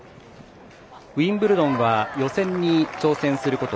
ウィンブルドンは予選に挑戦すること